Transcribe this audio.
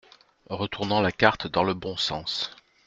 Retournant la carte dans le bons sens.